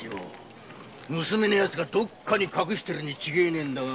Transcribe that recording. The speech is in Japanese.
娘のヤツがどこかに隠してるに違えねえんだが。